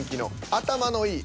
「頭のいい」